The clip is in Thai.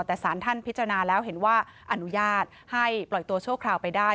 แต่สารท่านพิจารณาแล้วเห็นว่าอนุญาตให้ปล่อยตัวชั่วคราวไปได้